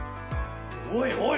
おいおい